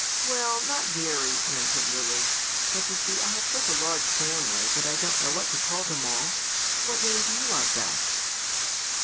"Well, not very," answered Lily; "but you see I have such a large family that I don't know what to call them all. What name do you like best?"